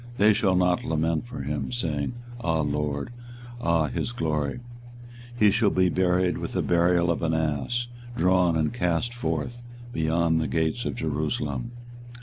they shall not lament for him, saying, Ah lord! or, Ah his glory! 24:022:019 He shall be buried with the burial of an ass, drawn and cast forth beyond the gates of Jerusalem.